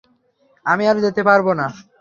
আমি আর যেতে পারব না।